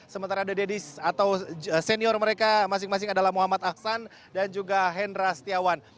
sementara the daddies atau senior mereka masing masing adalah muhammad aksan dan juga hendra setiawan